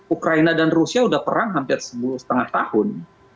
ukraina dan rusia sudah perang hampir sepuluh lima tahun